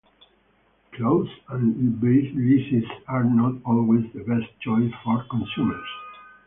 Closed-end leases are not always the best choice for consumers.